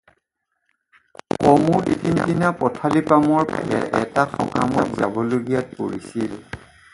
কমুদ সেইদিনা পথালিপামৰ ফালে এটা সকামত যাবলগীয়াত পৰিছিল।